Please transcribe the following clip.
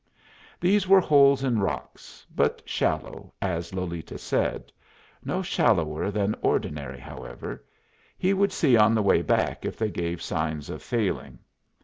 These were holes in rocks, but shallow, as Lolita said. No shallower than ordinary, however; he would see on the way back if they gave signs of failing.